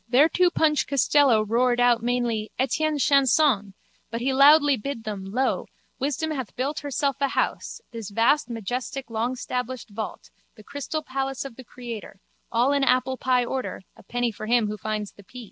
Thereto Punch Costello roared out mainly Etienne chanson but he loudly bid them, lo, wisdom hath built herself a house, this vast majestic longstablished vault, the crystal palace of the Creator, all in applepie order, a penny for him who finds the pea.